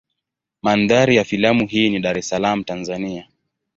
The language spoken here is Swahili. Mandhari ya filamu hii ni Dar es Salaam Tanzania.